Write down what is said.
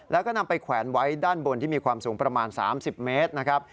แล้วก็นำไปแขวนไว้ด้านบนที่มีความสูงประมาณ๓๐เมตรนะครับ